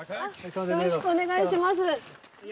よろしくお願いします。